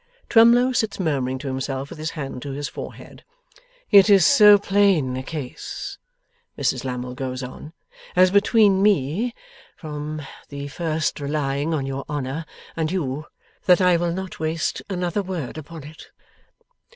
Twemlow sits murmuring to himself with his hand to his forehead. 'It is so plain a case,' Mrs Lammle goes on, 'as between me (from the first relying on your honour) and you, that I will not waste another word upon it.